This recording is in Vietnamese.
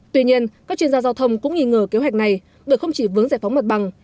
tuy nhiên các chuyên gia giao thông cũng nghi ngờ kế hoạch này bởi không chỉ vướng giải phóng mặt bằng